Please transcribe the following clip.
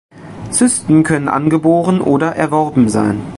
Zysten können angeboren oder erworben sein.